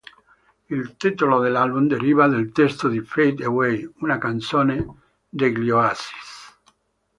Il titolo dell'album deriva dal testo di "Fade Away", una canzone degli Oasis.